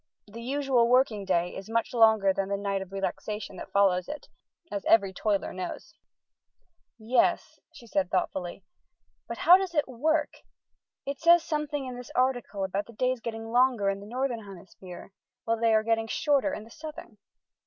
The usual working day is much longer than the night of relaxation that follows it, as every toiler knows." "Yes," she said thoughtfully, "but how does it work? It says something in this article about the days getting longer in the Northern Hemisphere, while they are getting shorter in the Southern."